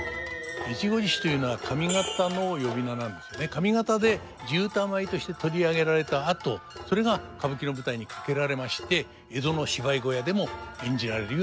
上方で地唄舞として取り上げられたあとそれが歌舞伎の舞台にかけられまして江戸の芝居小屋でも演じられるようになった。